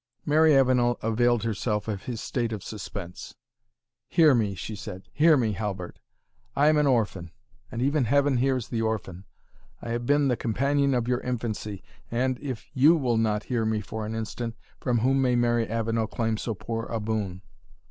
Mary Avenel availed herself of his state of suspense. "Hear me," she said, "hear me, Halbert! I am an orphan, and even Heaven hears the orphan I have been the companion of your infancy, and if you will not hear me for an instant, from whom may Mary Avenel claim so poor a boon?"